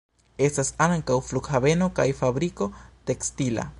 Estas ankaŭ flughaveno kaj fabriko tekstila.